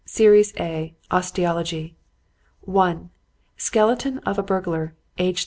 "Series A. Osteology. "1. Skeleton of burglar, aged 37.